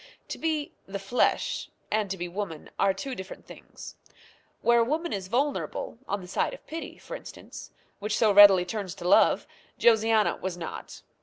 To be "the flesh" and to be woman are two different things. Where a woman is vulnerable, on the side of pity, for instance, which so readily turns to love, Josiana was not.